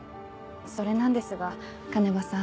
それなんですが鐘場さん